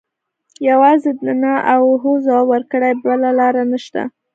یوازې د نه او هو ځواب ورکړي بله لاره نشته.